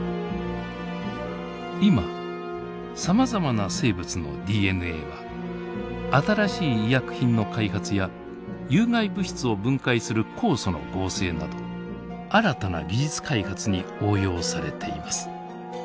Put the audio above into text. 今さまざまな生物のＤＮＡは新しい医薬品の開発や有害物質を分解する酵素の合成など新たな技術開発に応用されています。